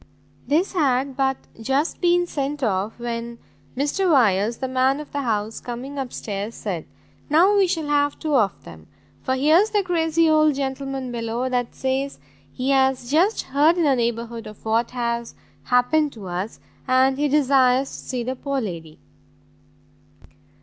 This had but just been sent off, when Mr Wyers, the man of the house, coming up stairs, said, "Now we shall have two of them, for here's the crazy old gentleman below, that says he has just heard in the neighbourhood of what has happened to us, and he desires to see the poor lady."